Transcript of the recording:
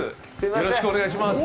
よろしくお願いします。